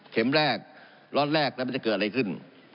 เข็มแรกรอดแรกแล้วมันจะเกิดอะไรขึ้น